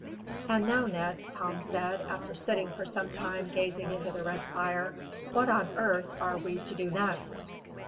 "And now, Ned," Tom said, after sitting for some time gazing into the red fire, "what on earth are we to do next?"